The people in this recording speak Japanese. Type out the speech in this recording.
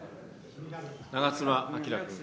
長妻昭君。